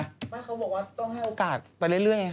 ไม่เขาบอกว่าต้องให้โอกาสไปเรื่อยไง